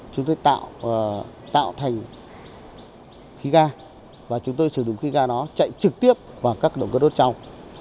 chúng tôi tạo thành khí ga và chúng tôi sử dụng khí ga nó chạy trực tiếp vào các động cơ đốt trong